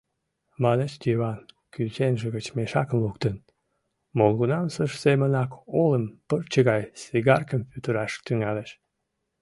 — манеш Йыван, кӱсенже гыч мешакым луктын, молгунамсыж семынак олым пырче гай сигаркым пӱтыраш тӱҥалеш.